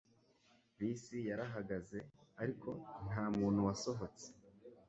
Bisi yarahagaze, ariko nta muntu wasohotse